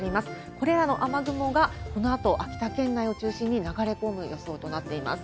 これらの雨雲が、このあと秋田県内を中心に流れ込む予想となっています。